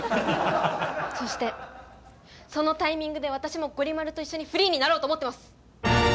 そしてそのタイミングで私もゴリ丸と一緒にフリーになろうと思ってます！